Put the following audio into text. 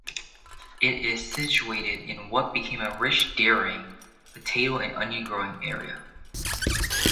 It is situated in what became a rich dairying, potato and onion growing area.